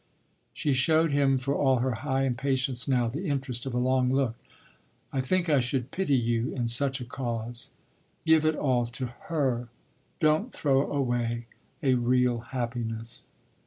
She showed him, for all her high impatience now, the interest of a long look. "I think I should pity you in such a cause. Give it all to her; don't throw away a real happiness!"